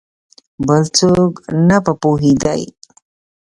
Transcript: بل څوک نه په پوهېدی !